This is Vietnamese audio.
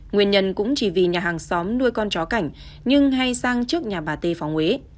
nguyên nhân cũng chỉ vì nhà hàng xóm nuôi con chó cảnh nhưng hay sang trước nhà bà t phóng huế